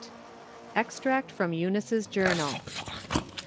EXTEACT FEOM EUNICE'S JOURNAL.